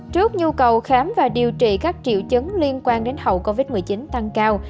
trước nhu cầu khám và điều trị các triệu chứng liên quan đến hậu covid một mươi chín tăng cao